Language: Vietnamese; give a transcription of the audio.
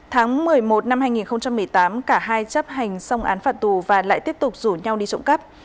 tháng một mươi một năm hai nghìn một mươi tám cả hai chấp hành xong án phạt tù và lại tiếp tục rủ nhau đi trộm cắp